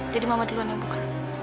jadi mama duluan yang buka